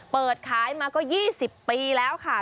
เปิดขายมาก็๒๐ปีแล้วค่ะ